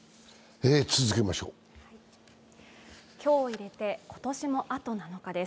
今日を入れて今年もあと７日です。